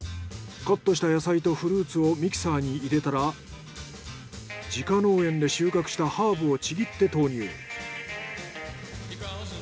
カットした野菜とフルーツをミキサーに入れたら自家農園で収穫したハーブをちぎって投入。